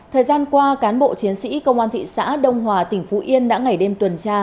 thời gian qua cán bộ chiến sĩ công an thị xã đông hòa tỉnh phú yên đã ngày đêm tuần tra